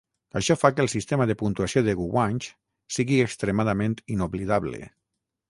Això fa que el sistema de puntuació de Guwange sigui extremadament inoblidable.